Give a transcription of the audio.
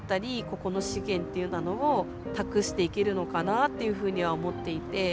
ここの資源っていうようなのを託していけるのかなっていうふうには思っていて。